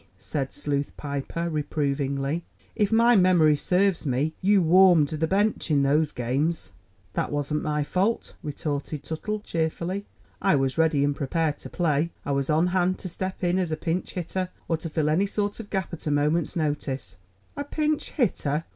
said Sleuth Piper reprovingly. "If my memory serves me, you warmed the bench in both those games." "That wasn't my fault," retorted Tuttle cheerfully. "I was ready and prepared to play. I was on hand to step in as a pinch hitter, or to fill any sort of a gap at a moment's notice." "A pinch hitter!"